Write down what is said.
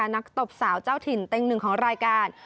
ตบสาวเจ้าถิ่นเต็งหนึ่งของรายการ